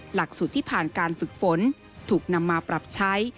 หลักสูตรที่ผ่านการฝึกฝนถูกนำมาปรับใช้